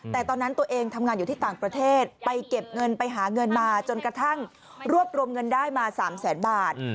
แต่ตอนนั้นตัวเองทำงานอยู่ที่ต่างประเทศไปเก็บเงินไปหาเงินมาจนกระทั่งรวบรวมเงินได้มา๓แสนบาท